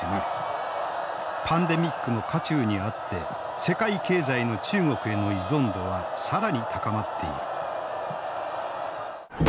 パンデミックの渦中にあって世界経済の中国への依存度は更に高まっている。